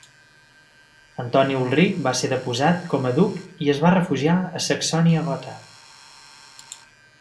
Antoni Ulric va ser deposat com a duc i es va refugiar a Saxònia-Gotha.